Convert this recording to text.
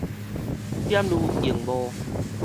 點攄螢幕